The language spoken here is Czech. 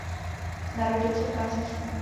Narodil se v Kansasu.